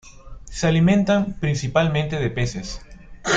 Se alimentan principalmente de peces.